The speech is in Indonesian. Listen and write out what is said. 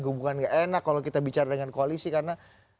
hubungan gak enak kalau kita bicara dengan koalisi karena